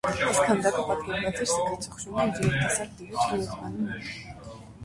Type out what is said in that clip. Այս քանդակը պատկերված էր սգացող շունը իր երիտասարդ տիրոջ գերեզմանի մոտ։